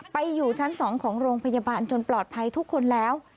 อยู่ชั้น๒ของโรงพยาบาลจนปลอดภัยทุกคนแล้ว